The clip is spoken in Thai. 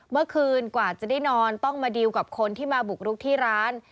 เมื่อคืนกว่าจะได้นอนต้องมาดีลกับคนที่มาบุกรุกที่ร้าน